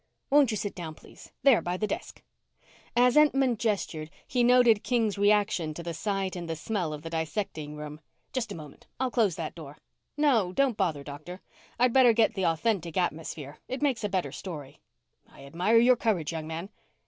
"Won't you sit down, please? There by the desk." As Entman gestured, he noted King's reaction to the sight and the smell of the dissecting room. "Just a moment. I'll close that door." "No, don't bother, Doctor. I'd better get the authentic atmosphere. It makes a better story." "I admire your courage, young man."